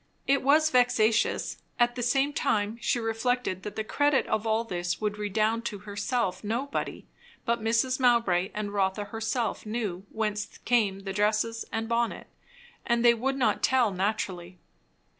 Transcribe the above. It was vexatious; at the same time she reflected that the credit of all this would redound to herself Nobody but Mrs. Mowbray and Rotha herself knew whence came the dresses and bonnet, and they would not tell, naturally.